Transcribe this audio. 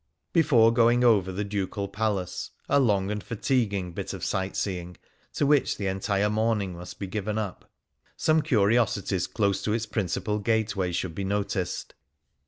Before going over the Ducal Palace — a long and fatiguing bit of sight seeing, to which the entire morning must be given up — some curi osities close to its principal gateway should be noticed.